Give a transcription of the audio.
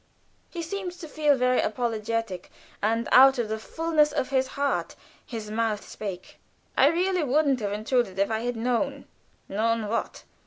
He seemed to feel very apologetic, and out of the fullness of his heart his mouth spake. "I really wouldn't have intruded if I had known " "Known what?"